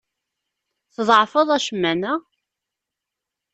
Tḍeεfeḍ acemma, neɣ?